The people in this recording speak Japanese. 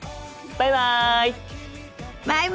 バイバイ！